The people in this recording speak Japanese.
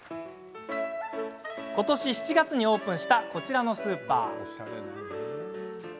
ことし７月にオープンしたこちらのスーパー。